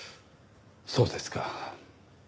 そうですか。